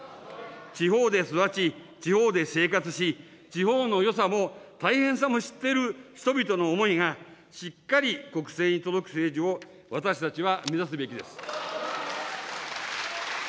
地方で育ち、地方で生活し、地方のよさも大変さも知っている人々の思いが、しっかり国政に届く政治を私たちは目指すべきです。